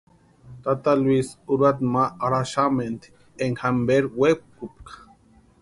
Tata Luis urhuata ma arhaxamenti énka jamperu wepkupka.